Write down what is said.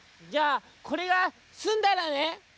「じゃあこれがすんだらね」。